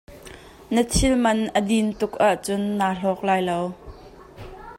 Na thil man a din tuk ahcun naa hlawk lai lo.